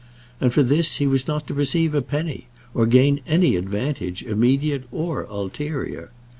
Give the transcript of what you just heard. And for this he was not to receive a penny, or gain any advantage, immediate or ulterior.